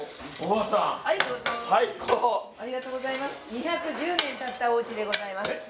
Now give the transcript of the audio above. ２１０年経ったお家でございます。